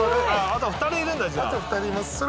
あと２人います